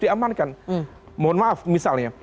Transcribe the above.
diamankan mohon maaf misalnya